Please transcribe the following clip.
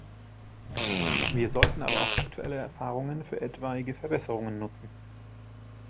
Wir sollten aber auch aktuelle Erfahrungen für etwaige Verbesserungen nutzen.